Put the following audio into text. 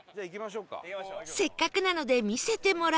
せっかくなので見せてもらう事に